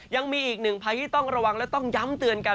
ยังมีอีกหนึ่งภัยที่ต้องระวังและต้องย้ำเตือนกัน